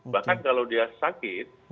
bahkan kalau dia sakit